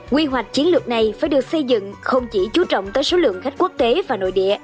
quy hoạch chiến lược này phải được xây dựng không chỉ chú trọng tới số lượng khách quốc tế và nội địa